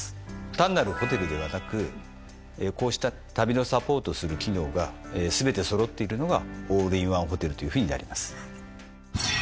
単なるホテルではなくこうした旅のサポートする機能が全て揃っているのがオールインワンホテルというふうになります。